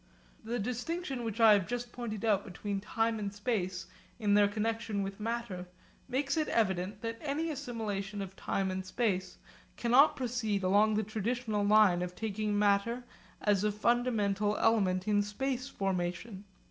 The distinction which I have just pointed out between time and space in their connexion with matter makes it evident that any assimilation of time and space cannot proceed along the traditional line of taking matter as a fundamental element in space formation.